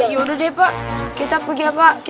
yaudah deh pak kita pergi ya pak